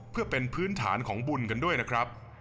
เพื่อเป็นพื้นฐานของบุญกันด้วยนะครับ